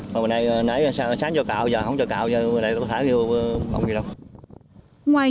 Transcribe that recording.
bữa nay nãy sáng cho cạo giờ không cho cạo bữa nay nó có thả vô bông gì đâu